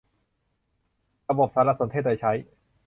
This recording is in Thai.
ระบบสารสนเทศโดยใช้